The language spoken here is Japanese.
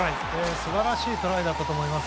素晴らしいトライだったと思います。